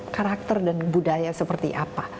karakter dan budaya seperti apa